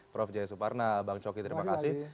prof jaya suparna bang coki terima kasih